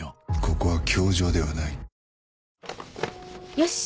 よし。